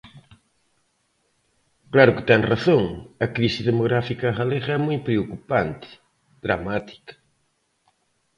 Claro que ten razón, a crise demográfica galega é moi preocupante, dramática.